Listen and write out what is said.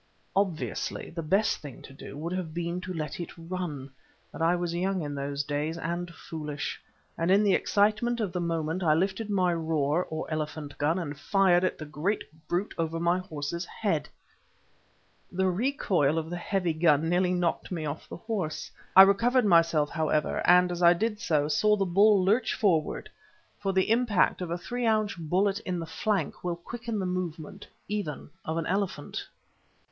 Obviously the best thing to do would have been to let it run, but I was young in those days and foolish, and in the excitement of the moment I lifted my "roer" or elephant gun and fired at the great brute over my horse's head. The recoil of the heavy gun nearly knocked me off the horse. I recovered myself, however, and, as I did so, saw the bull lurch forward, for the impact of a three ounce bullet in the flank will quicken the movement even of an elephant.